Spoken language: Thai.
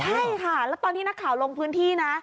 ใช่ค่ะแล้วตอนที่นักข่าวลงพื้นที่นะ